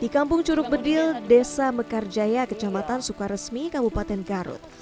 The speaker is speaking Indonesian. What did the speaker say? di kampung curug bedil desa mekarjaya kecamatan sukaresmi kabupaten garut